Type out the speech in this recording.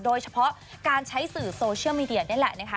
โดยเฉพาะการใช้สื่อโซเชียลนี่แหละ